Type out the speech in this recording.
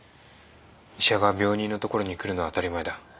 医者が病人のところに来るのは当たり前だ。